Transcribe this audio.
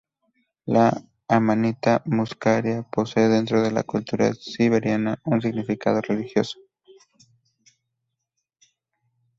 La "Amanita muscaria" posee, dentro de la cultura siberiana, un significado religioso.